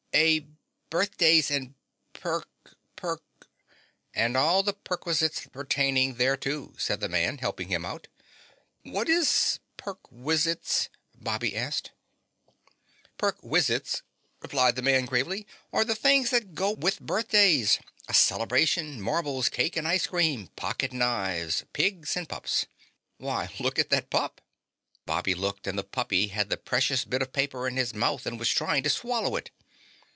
"A birthdays and perk perk " "And all the perquisites pertaining thereto," said the man, helping him out. "What is perk _wiz_its?" Bobby asked. "Perk _wiz_its," replied the man gravely, "are the things that go with birthdays, a celebration, marbles, cake and ice cream, pocket knives, pigs and pups. Why, look at that pup!" Bobby looked and the puppy had the precious bit of paper in his mouth and was trying to swallow it!